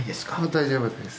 大丈夫です。